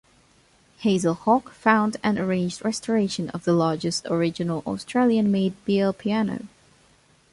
Hazel Hawke found and arranged restoration of The Lodge's original Australian-made Beale Piano.